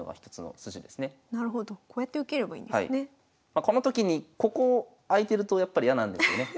まあこのときにここ開いてるとやっぱり嫌なんですよね。